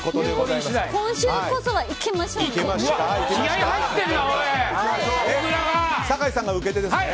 今週こそはいきましょうね！